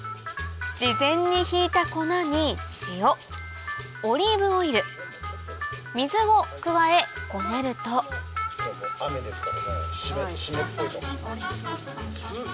事前にひいた粉に塩オリーブオイル水を加えこねるとねっ。